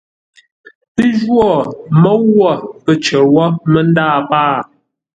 Pə́ jwô môu wə̂ pə̂ cər wó mə́ ndâa pâa.